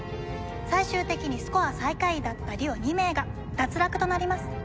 最終的にスコア最下位だったデュオ２名が脱落となります。